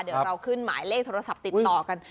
เดี๋ยวเราขึ้นหมายเลขโทรศัพท์ติดต่อกัน